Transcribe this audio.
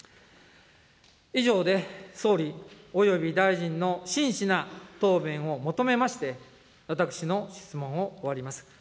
以上で総理および大臣の真摯な答弁を求めまして、私の質問を終わります。